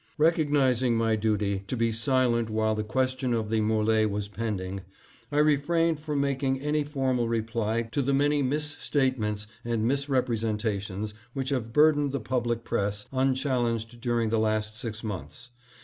Recognizing my duty to be silent while the question of the M61e was pending, I refrained from making any formal reply to the many misstatements and misrepresentations which have burdened the public press unchallenged during the last six months.